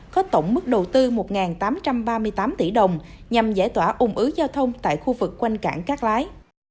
có tổng mức đầu tư một tám trăm ba mươi tám tỷ đồng nhằm giải tỏa ủng ứ giao thông tại khu vực quanh cảng cát lái